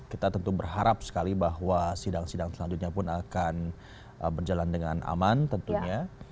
kita tentu berharap sekali bahwa sidang sidang selanjutnya pun akan berjalan dengan aman tentunya